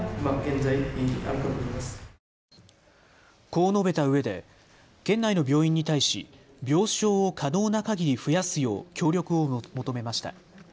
こう述べたうえで、県内の病院に対し病床を可能なかぎり増やすよう協力を求めました。